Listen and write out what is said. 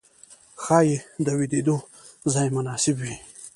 ښايې د ويدېدو ځای مناسب وي.